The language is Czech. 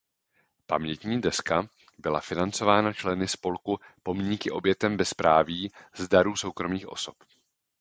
Pamětní deska byla financována členy spolku „Pomníky obětem bezpráví“ z darů soukromých osob.